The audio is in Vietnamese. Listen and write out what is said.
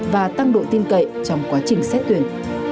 và tăng độ tin cậy trong quá trình xét tuyển